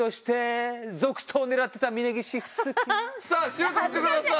さあシュート打ってください。